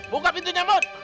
buka pintunya mut